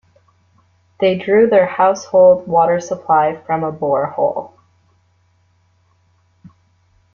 They drew their household water supply from a borehole.